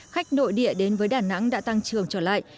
khách nội địa đến với đà nẵng đã tăng trưởng trở lại